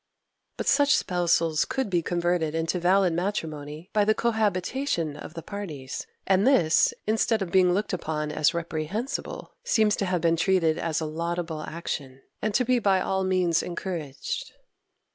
But such spousals could be converted into valid matrimony by the cohabitation of the parties; and this, instead of being looked upon as reprehensible, seems to have been treated as a laudable action, and to be by all means encouraged.